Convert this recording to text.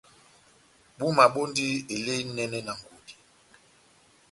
Búma bondi elé enɛnɛ na ngudi.